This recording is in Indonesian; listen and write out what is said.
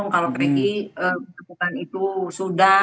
kalau pegi bukan itu sudah